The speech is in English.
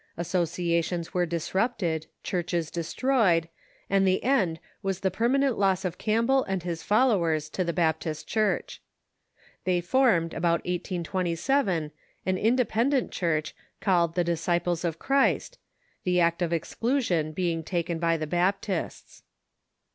Associa tions were disrupted, churches destroyed, and the end was the permanent loss of Campbell and his followers to the Baptist Ciiurch. They formed, about 1827, an independent Church, called the Disciples of Christ — the act of exclusion being taken by the Baptists.